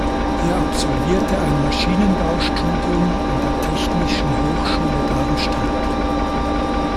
Er absolvierte ein Maschinenbaustudium an der Technischen Hochschule Darmstadt.